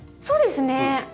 そうですね。